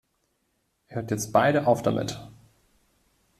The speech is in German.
Ihr hört jetzt beide auf damit!